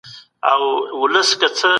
وایرس د ځانګړو لارو لېږدول کېږي.